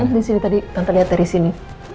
disini tadi tante lihat dari sini